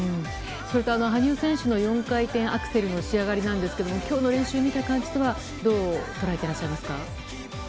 それと羽生選手の４回転アクセルの仕上がりなんですけれども、きょうの練習を見た感じとは、どう捉えていらっしゃいますか。